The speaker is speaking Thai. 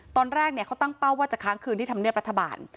ตอนแรกเขาตั้งเป้าว่าจะค้างคืนที่ธรรมเนียบรัฐบาล